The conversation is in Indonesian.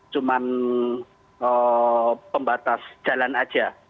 cuman pembatas jalan aja